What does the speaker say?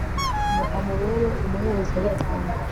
ngo amubere umuherezabitambo